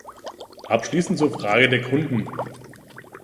Abschließend zur Frage der Kunden.